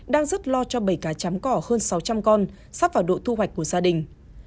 đang rất lo cho bảy cá chám cỏ hơn sáu trăm linh con sắp vào độ thu hoạch của gia đình